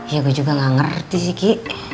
ya gue juga gak ngerti sih ki